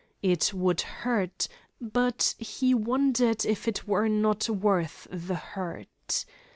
It would hurt, but he wondered if it were not worth the hurt.